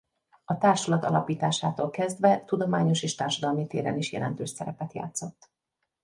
A Társulat alapításától kezdve tudományos és társadalmi téren is jelentős szerepet játszott.